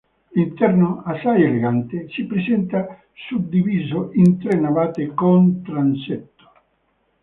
L'interno, assai elegante, si presenta suddiviso in tre navate con transetto.